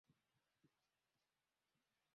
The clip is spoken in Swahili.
na wagonjwa pamoja na kundi na sekta isikuwa rasmi